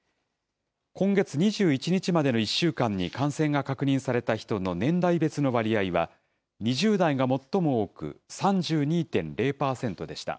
今月２１日までの１週間に感染が確認された人の年代別の割合は、２０代が最も多く３２．０％でした。